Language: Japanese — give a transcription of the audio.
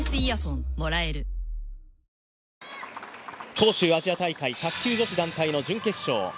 杭州アジア大会、卓球女子団体の準決勝。